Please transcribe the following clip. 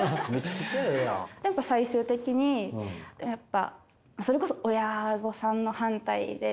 やっぱ最終的にそれこそ親御さんの反対で。